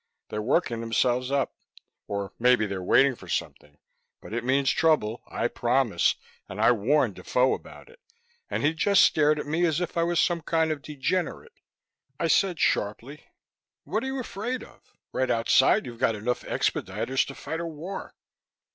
They're working themselves up. Or maybe they're waiting for something. But it means trouble, I promise, and I warned Defoe about it. And he just stared at me as if I was some kind of degenerate." I said sharply, "What are you afraid of? Right outside, you've got enough expediters to fight a war."